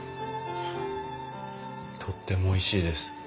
とってもおいしいです。